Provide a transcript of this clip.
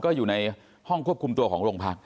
ก็อยู่ในห้องควบคุมตัวของโรงพัก